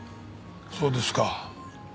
そうですか。